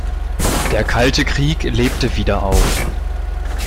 Der Kalte Krieg lebte wieder auf.